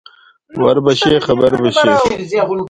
ـ وربشې خبر بشې.